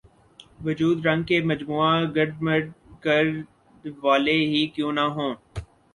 وجود رنگ کے مجموعہ گڈ مڈ کر د والے ہی کیوں نہ ہوں